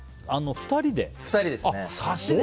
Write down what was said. ２人ですね。